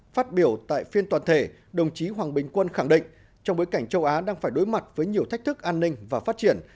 phát biểu tại phiên toàn thể đồng chí hoàng bình quân khẳng định trong bối cảnh châu á đang phải đối mặt với nhiều thách thức an ninh và phát triển